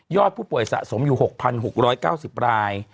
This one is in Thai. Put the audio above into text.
ผู้ป่วยสะสมอยู่๖๖๙๐ราย